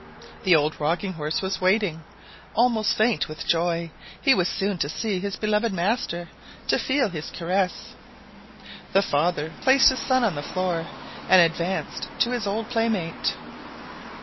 The old rocking horse was waiting, almost faint with joy; he was soon to see his beloved master, to feel his caress. The father placed his son on the floor, and advanced to his old playmate.